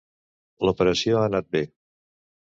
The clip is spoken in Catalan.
L'operació ha anat bé.